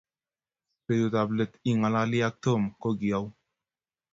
Betutap let ingalali ak Tom ko ki ou?